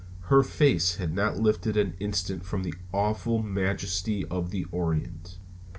Her face had not lifted an instant from the awful majesty of the Orient.